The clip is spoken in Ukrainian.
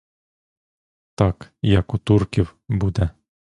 Так, як у турків, буде.